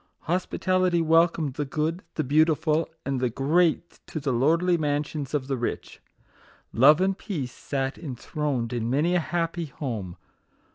Hospitality wel comed the good, the beautiful, and the great to the lordly mansions of the rich. Love and Peace sat enthroned in many a happy home.